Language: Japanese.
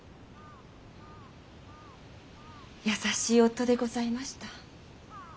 優しい夫でございました。